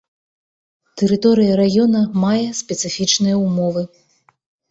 Тэрыторыя раёна мае спецыфічныя ўмовы.